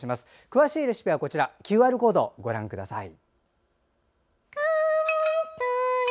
詳しいレシピはＱＲコードご覧ください。